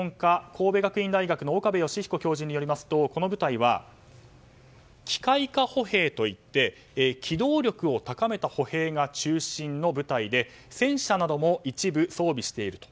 神戸学院大学の岡部芳彦教授によりますとこの部隊は、機械化歩兵といって機動力を高めた歩兵が中心の部隊で戦車なども一部装備していると。